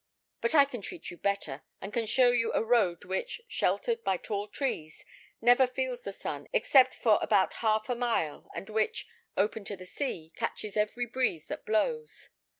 But I can treat you better, and can show you a road which, sheltered by tall trees, never feels the sun except for about half a mile, and which, open to the sea, catches every breeze that blows.